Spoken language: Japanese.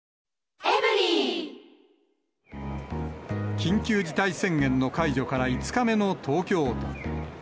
緊急事態宣言の解除から５日目の東京都。